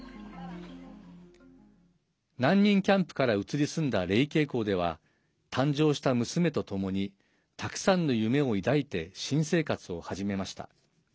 難民キャンプから移り住んだレイケイコーでは誕生した娘とともにたくさんの夢を抱いて新生活を始めました。